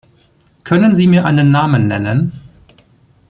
Können Sie mir einen Namen nennen?